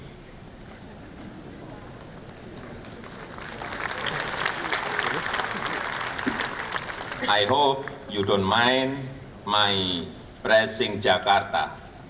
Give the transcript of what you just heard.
saya harap anda tidak mengalami perasaan saya di jakarta